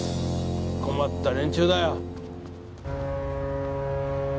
困った連中だよ。